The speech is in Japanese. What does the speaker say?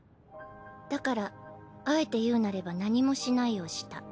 だからあえて言うなれば何もしないをした。